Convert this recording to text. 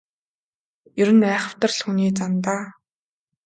Ер нь айхавтар л хүний зан даа.